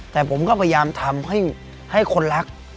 แต่ผมก็พยายามทำให้คนรัก